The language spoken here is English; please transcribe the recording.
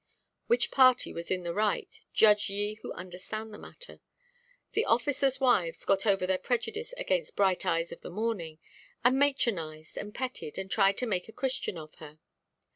Which party was in the right, judge ye who understand the matter. The officers' wives got over their prejudice against Bright Eyes of the Morning, and matronised, and petted, and tried to make a Christian of her.